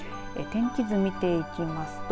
天気図、見ていきますと